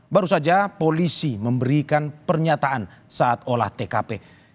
baru saja polisi memberikan pernyataan saat olah tkp